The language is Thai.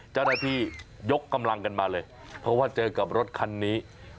เจ้าหน้าที่ยกกำลังกันมาเลยเพราะว่าเจอกับรถคันนี้